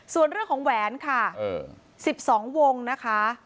ส่วนเรื่องของแหวนค่ะ๑๒วงนะคะ